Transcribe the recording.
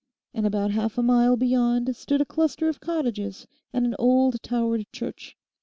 And about half a mile beyond stood a cluster of cottages and an old towered church.